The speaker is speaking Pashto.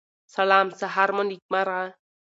سلام سهار مو نیکمرغه